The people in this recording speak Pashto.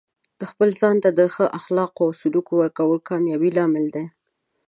د خپل ځان ته د ښه اخلاقو او سلوک ورکول د کامیابۍ لامل دی.